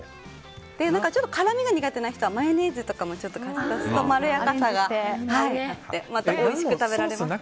ちょっと辛みが苦手な人はマヨネーズとかも足すとまろやかさがあってまたおいしく食べられます。